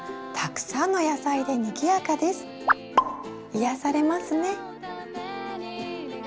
癒やされますね。